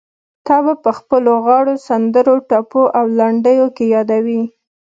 تا به په خپلو غاړو، سندرو، ټپو او لنډيو کې يادوي.